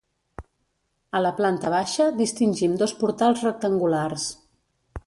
A la planta baixa distingim dos portals rectangulars.